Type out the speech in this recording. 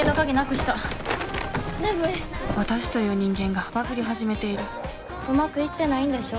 私という人間がバグり始めているうまくいってないんでしょ？